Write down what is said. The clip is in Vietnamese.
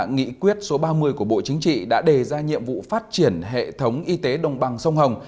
nghị quyết số ba mươi của bộ chính trị đã đề ra nhiệm vụ phát triển hệ thống y tế đồng bằng sông hồng